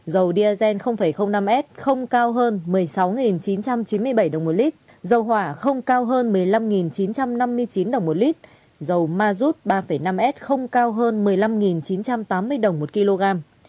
dầu diazen năm s không cao hơn một mươi sáu chín trăm chín mươi bảy đồng một lít dầu hỏa không cao hơn một mươi năm chín trăm năm mươi chín đồng một lít dầu ma rút ba năm s không cao hơn một mươi năm chín trăm tám mươi đồng một kg